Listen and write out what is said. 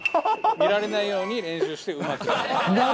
見られないように練習してうまくやる。